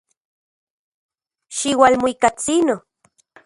Xiualmuikatsino.